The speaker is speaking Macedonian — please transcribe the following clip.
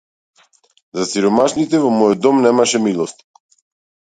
За сиромашните во мојот дом немаше милост.